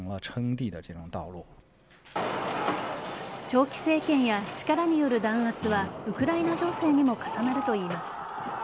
長期政権や力による弾圧はウクライナ情勢にも重なるといいます。